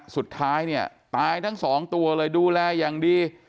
สุดท้ายเนี่ยตายทั้งสองตัวเลยดูแลอย่างดี